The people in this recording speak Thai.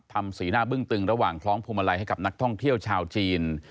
สีหน้าบึ้งตึงระหว่างคล้องพวงมาลัยให้กับนักท่องเที่ยวชาวจีน